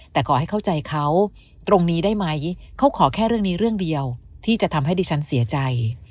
แต่ขอให้เข้าใจเขาตรงนี้ได้ไหมเขาขอแค่เรื่องนี้เรื่องเดียวที่จะทำให้ดิฉันเสียใจ